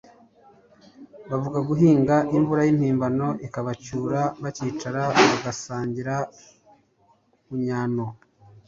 bavuye guhinga, imvura y'impimbano ikabacyura bakicara bagasangira ubunnyano.